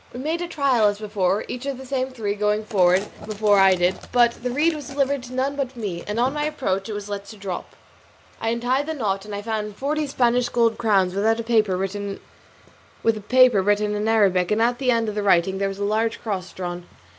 We made trial as before, each of the same three going forward before I did; but the reed was delivered to none but me, and on my approach it was let drop. I untied the knot and I found forty Spanish gold crowns with a paper written in Arabic, and at the end of the writing there was a large cross drawn.